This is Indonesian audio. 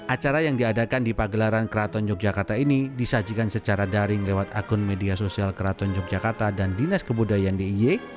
acara yang diadakan di pagelaran keraton yogyakarta ini disajikan secara daring lewat akun media sosial keraton yogyakarta dan dinas kebudayaan d i y